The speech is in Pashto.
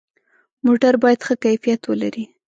موټر باید ښه کیفیت ولري.